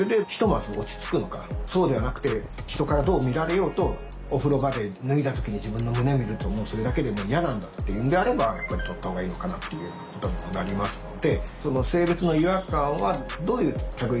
そうではなくて人からどう見られようとお風呂場で脱いだ時に自分の胸を見るともうそれだけでもう嫌なんだっていうんであればやっぱりとった方がいいのかなっていうようなことにもなりますので。